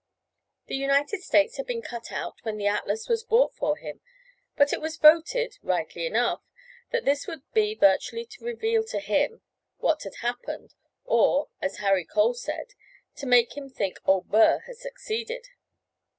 The United States had been cut out when the atlas was bought for him. But it was voted, rightly enough, that to do this would be virtually to reveal to him what had happened, or, as Harry Cole said, to make him think Old Burr had succeeded.